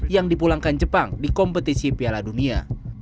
yang dipulangkan jepang di kompetisi piala dunia